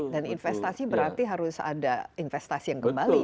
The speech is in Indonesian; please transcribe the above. dan investasi berarti harus ada investasi yang kembali